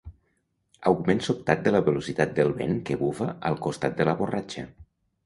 Augment sobtat de la velocitat del vent que bufa al costat de la borratxa.